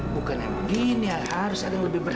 bukannya begini harus ada yang lebih berharga